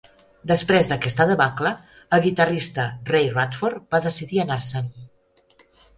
Després d'aquesta debacle, el guitarrista Ray Radford va decidir anar-se'n.